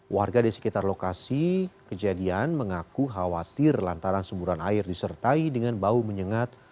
warga di sekitar lokasi kejadian mengaku khawatir lantaran semburan air disertai dengan bau menyengat